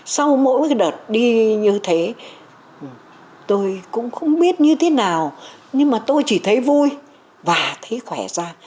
sau mỗi đợt đi như thế tôi cũng không biết như thế nào nhưng mà tôi chỉ thấy vui và thấy khỏe ra